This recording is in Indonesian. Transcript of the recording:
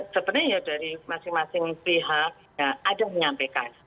sebenarnya ya dari masing masing pihak ada yang menyampaikan